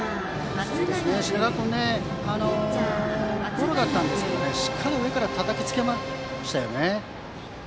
品川君ゴロだったんですがしっかり上からたたきつけましたよね。